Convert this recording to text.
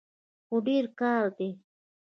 هو، ډیر کار دی